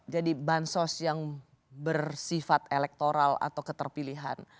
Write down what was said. bansos yang bersifat elektoral atau keterpilihan